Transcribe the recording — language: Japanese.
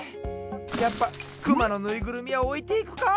やっぱクマのぬいぐるみはおいていくか！